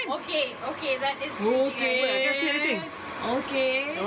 โอเคโอเคโอเค